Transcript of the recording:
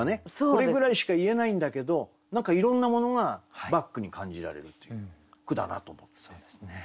これぐらいしか言えないんだけど何かいろんなものがバックに感じられるっていう句だなと思うんですね。